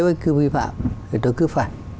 nếu anh cứ vi phạm thì tôi cứ phạt